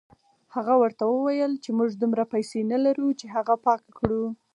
هغه ورته وویل چې موږ دومره پیسې نه لرو چې هغه پاکه کړو.